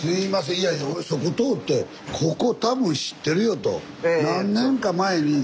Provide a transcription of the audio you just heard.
いやいや俺そこ通ってここ多分知ってるよと。